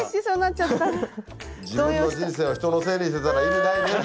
自分の人生を人のせいにしてたら意味ないね